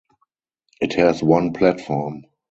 It has one platform.